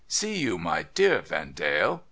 See you, my dear Vendale !